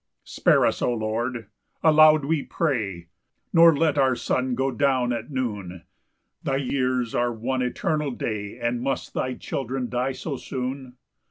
2 Spare us, O Lord, aloud we pray, Nor let our sun go down at noon: Thy years are one eternal day, And must thy children die so soon?